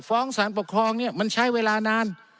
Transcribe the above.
ฟ้องสารปกครองเนี่ยมันใช้เวลานาน